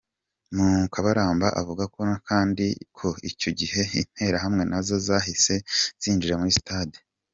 Mukabaramba avuga kandi ko icyo gihe interahamwe nazo zahise zinjira muri stade.